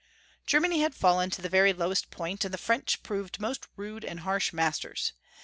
Germany had fallen to the very lowest point, and the French proved most rude and harsh masters.